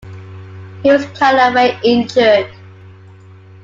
He was carried away injured.